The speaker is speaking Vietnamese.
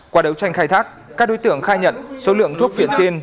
qua đấu tranh khai thác các đối tượng khai nhận số lượng thuốc phiện trên